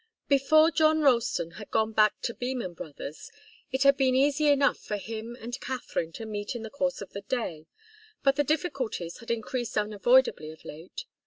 Before John Ralston had gone back to Beman Brothers', it had been easy enough for him and Katharine to meet in the course of the day, but the difficulties had increased unavoidably of late.